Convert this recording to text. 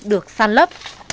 được săn lấp